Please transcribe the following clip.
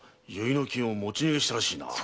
納金を持ち逃げしたらしいな。